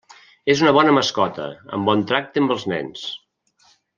És una bona mascota, amb bon tracte amb els nens.